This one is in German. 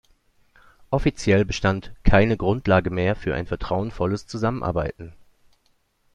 Offiziell bestand "keine Grundlage mehr für ein vertrauensvolles Zusammenarbeiten".